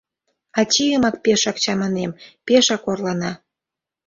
Ачийымак пешак чаманем... пешак орлана.